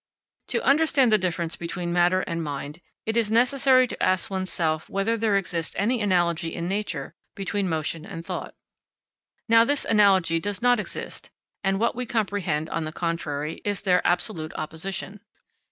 To understand the difference between matter and mind, it is necessary to ask one's self whether there exists any analogy in nature between motion and thought. Now this analogy does not exist, and what we comprehend, on the contrary, is their absolute opposition.